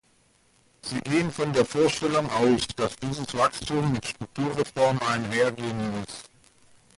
Sie gehen von der Vorstellung aus, dass dieses Wachstum mit Strukturreformen einhergehen muss.